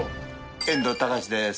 遠藤隆です。